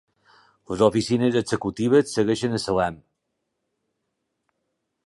Les oficines executives segueixen a Salem.